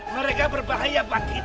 mereka berbahaya buat kita